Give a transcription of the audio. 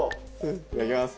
いただきます。